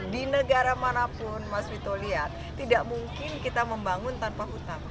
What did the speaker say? di negara manapun mas vito lihat tidak mungkin kita membangun tanpa hutang